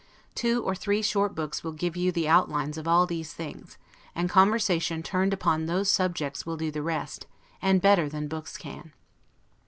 Two or three short books will give you the outlines of all these things; and conversation turned upon those subjects will do the rest, and better than books can.